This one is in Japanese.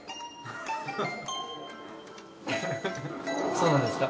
そうなんですか？